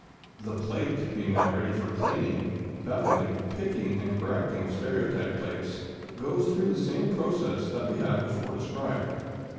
The plate, being now ready for the planing, beveling, picking, and correcting of stereotype plates, goes through the same process that we have before described.